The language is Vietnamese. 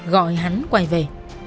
gọi hắn quay về